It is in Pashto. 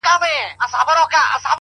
کور مي ورانېدی ورته کتله مي ـ